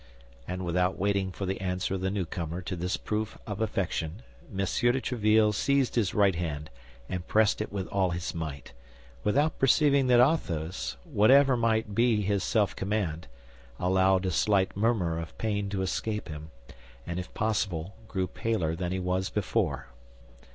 And without waiting for the answer of the newcomer to this proof of affection, M. de Tréville seized his right hand and pressed it with all his might, without perceiving that Athos, whatever might be his self command, allowed a slight murmur of pain to escape him, and if possible, grew paler than he was before.